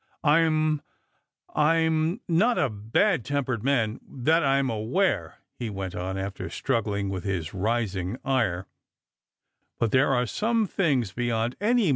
" I'm — I'm not a bad tempered man, that I'm aware," he went on, after struggling with his i ising ire; "but there are some things beyond any a.